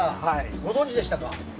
ご存じでしたか？